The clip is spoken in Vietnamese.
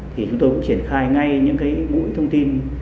thì chúng tôi cũng triển khai ngay những cái mũi thông tin